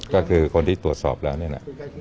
ก็คือคนที่ตรวจสอบแล้วเนี่ยนะ